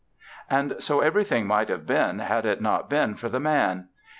] And so everything might have been had it not been for the Man.